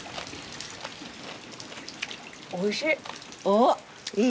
おいしい！